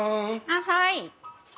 あっはい！